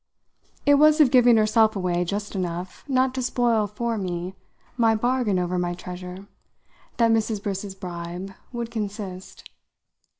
It was of giving herself away just enough not to spoil for me my bargain over my treasure that Mrs. Briss's bribe would consist.